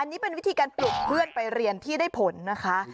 อันนี้เป็นวิธีการปลุกเพื่อนไปเรียนที่ได้ผลนะคะ